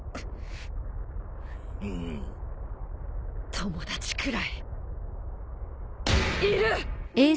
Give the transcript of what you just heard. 友達くらいいる！